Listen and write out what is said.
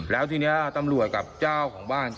แล้วทีนี้ตำรวจกับเจ้าของบ้าน